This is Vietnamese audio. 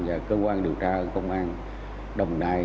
và cơ quan điều tra công an đồng nai